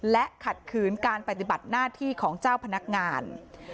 และขัดขืนการปฏิบัติหน้าที่ของเจ้าพนักงาน